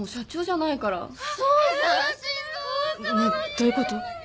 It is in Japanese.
ねえどういうこと？